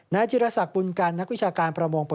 จิรษักบุญกันนักวิชาการประมง